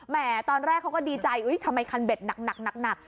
ตอนแรกเขาก็ดีใจทำไมคันเบ็ดหนัก